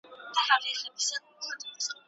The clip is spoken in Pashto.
ولي د طلاق واک له هغه چا سره دی چي زغم لري؟